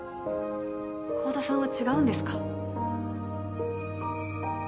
香田さんは違うんですか。